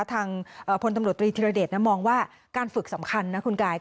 ทางพลตำรวจตรีธิรเดชมองว่าการฝึกสำคัญนะคุณกาย